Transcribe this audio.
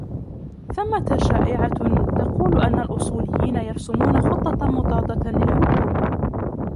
ثمّة شائعةٌ تقول أن الأصوليين يرسمون خطة مضادة للحكومة.